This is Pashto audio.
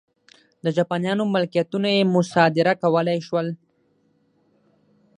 د جاپانیانو ملکیتونه یې مصادره کولای شول.